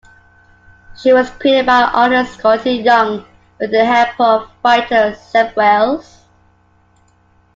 She was created by artist Skottie Young with the help of writer Zeb Wells.